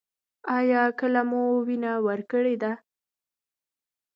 ایا کله مو وینه ورکړې ده؟